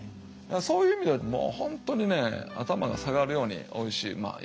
そういう意味ではもう本当にね頭が下がるようにおいしいよ